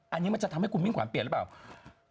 อันนี้มันจะทำให้คุณมิ่งขวัญเปลี่ยนหรือเปล่า